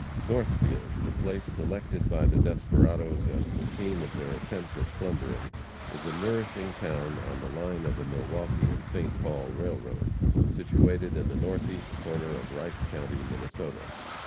Northfield, the place selected by the desperadoes as the scene of their attempt at plundering, is a nourishing town on the line of the Milwaukee and St. Paul railroad, situated in the northeast corner of Rice county, Minnesota.